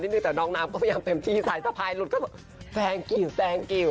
เดี๋ยวน้องน้ำก็พยายามเต็มที่สายสะพายหลุดเข้าแฟรงกิวแฟรงกิว